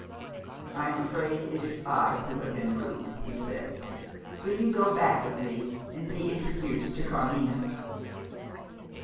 "I am afraid it is I who have been rude," he said. "Will you go back with me, and be introduced to Carmina?"